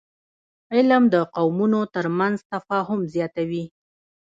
علم د قومونو ترمنځ تفاهم زیاتوي